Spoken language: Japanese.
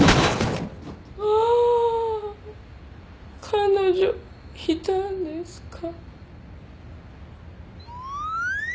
彼女いたんですか。